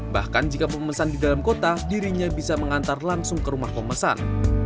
bahkan jika pemesan di dalam kota dirinya bisa mengantar langsung ke rumah pemesan